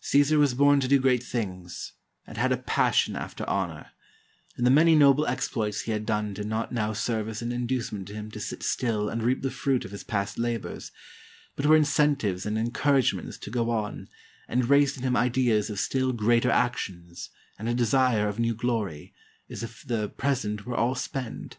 Caesar was born to do great things, and had a passion after honor, and the many noble exploits he had done did not now serve as an inducement to him to sit still and reap the fruit of his past labors, but were incentives and encouragements to go on, and raised in him ideas of still greater actions, and a desire of new glory, as if the present were all spent.